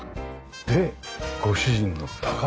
でご主人の宝物。